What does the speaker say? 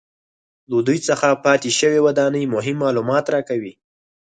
له دوی څخه پاتې شوې ودانۍ مهم معلومات راکوي